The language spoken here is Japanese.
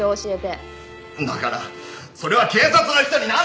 だからそれは警察の人に何度も！